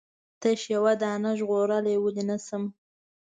تش یوه دانه ژغورلای ولې نه شم؟